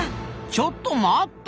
ちょっと待った！